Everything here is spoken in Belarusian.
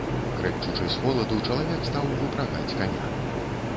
Крэкчучы з холаду, чалавек стаў выпрагаць каня.